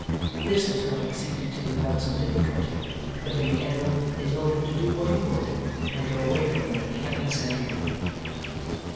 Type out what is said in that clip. This was not acceded to without some difficulty, but in the end they told him to do what he would, and go away from them in heaven's name.